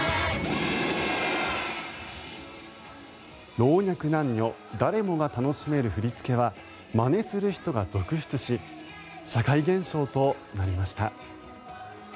老若男女誰もが楽しめる振り付けはまねする人が続出し社会現象となりました。